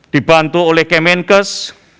dibantu oleh kemenkes